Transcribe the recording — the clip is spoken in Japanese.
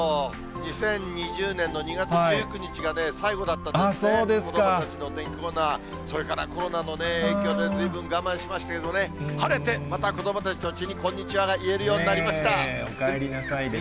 ２０２０年の２月１９日が最後だったんですけど、子どもたちの、それからコロナの影響で、ずいぶん我慢しましたけど、晴れてまた子どもたちと一緒にこんにちはが言えるようになおかえりなさいですね。